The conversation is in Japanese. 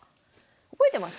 覚えてます？